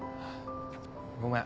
ごめん。